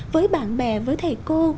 với bạn bè với thầy cô